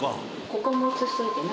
ここも写しといてね